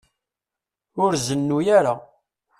Ur zennu ara.